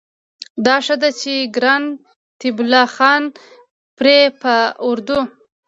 دا ښه ده چې ګران طيب الله خان پرې په اردو